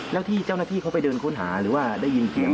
แล้วที่เจ้าหน้าที่เขาไปเดินค้นหาหรือว่าได้ยินเสียง